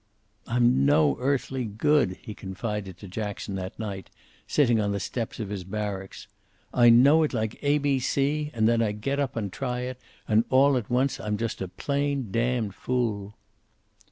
"I'm no earthly good," he confided to Jackson that night, sitting on the steps of his barracks. "I know it like a b c, and then I get up and try it and all at once I'm just a plain damned fool."